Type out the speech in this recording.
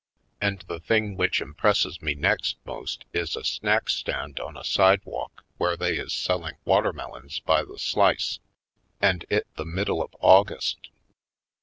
And the thing which impresses me next most is a snack stand on a sidewalk where they is selling watermelons by the slice — and it the middle of August!